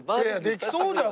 できそうじゃん